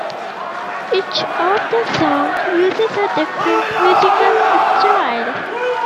Each of the songs uses a different musical style.